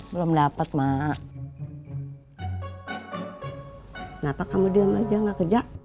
belum dapat mak